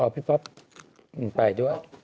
พี่ป๊อปไปด้วย